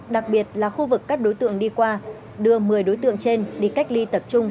đặc biệt là khu vực các đối tượng đi qua đưa một mươi đối tượng trên đi cách ly tập trung